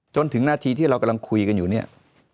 จนถึงนาทีที่เรากำลังคุยกันอยู่เนี่ย